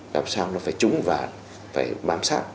làm sao nó phải trúng và phải bám sát